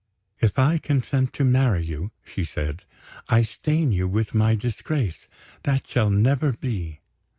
"If I consent to marry you," she said, "I stain you with my disgrace; that shall never be."